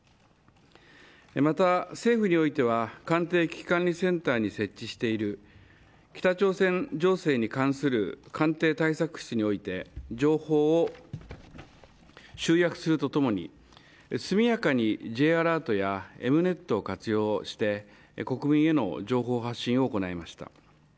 また政府においては官邸危機管理センターに設置している北朝鮮情勢に関する官邸対策室において情報を集約するとともに速やかにＪアラートやＭネットを活用して国民への情報発信を行いました。